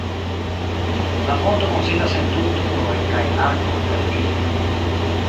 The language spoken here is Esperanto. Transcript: La ponto konsistas en du turoj kaj arko inter ili.